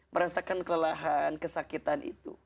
merasakan kelelahan kesakitan itu